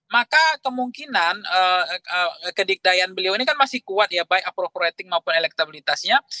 maka kemungkinan kedikdayaan beliau ini kan masih kuat ya baik approvating maupun elektabilitasnya